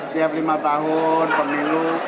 biasa setiap lima tahun pemilu